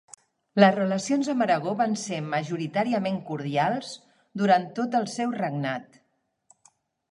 Les relacions amb Aragó van ser majoritàriament cordials durant tot el seu regnat.